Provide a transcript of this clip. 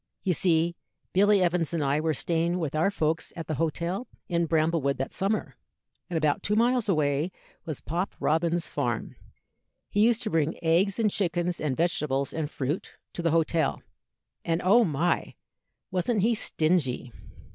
"You see, Billy Evans and I were staying with our folks at the hotel in Bramblewood that summer, and about two miles away was Pop Robins's farm. He used to bring eggs and chickens and vegetables and fruit to the hotel; and, oh my! wasn't he stingy?